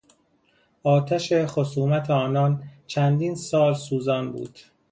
آتش خصومت آنان چندین سال سوزان بود.